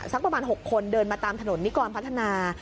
สักประมาณ๖คนเดินมาตามถนนนิกรพัฒนา